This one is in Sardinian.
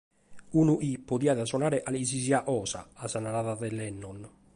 Unu chi «podiat sonare cale si siat cosa», a sa narada de Lennon.